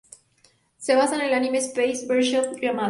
Se basa en el anime "Space Battleship Yamato".